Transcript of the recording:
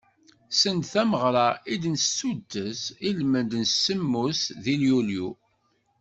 Send tameɣra i d-nessuddes i lmend n semmus di yulyu.